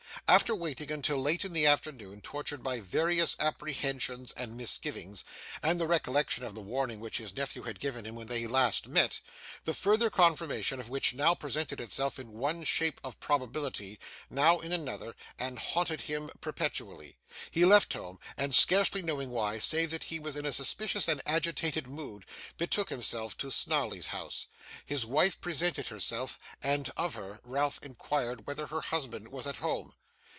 After waiting until late in the afternoon, tortured by various apprehensions and misgivings, and the recollection of the warning which his nephew had given him when they last met: the further confirmation of which now presented itself in one shape of probability, now in another, and haunted him perpetually: he left home, and, scarcely knowing why, save that he was in a suspicious and agitated mood, betook himself to Snawley's house. His wife presented herself; and, of her, Ralph inquired whether her husband was at home.